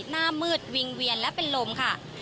หน้ามืดวิ่งเวียนและเป็นลมค่ะ